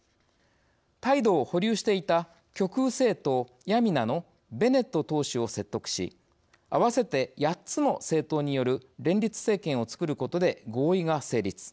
態度を保留していた極右政党ヤミナのベネット党首を説得し合わせて８つの政党による連立政権をつくることで合意が成立。